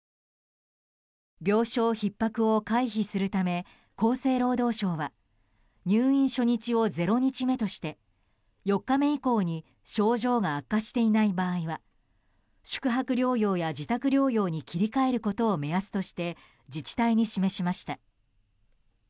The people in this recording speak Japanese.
病床ひっ迫を回避するため厚生労働省は入院初日を０日目として４日目以降に症状が悪化していない場合は宿泊療養や自宅療養に切り替えることを目安として自治体に示しました。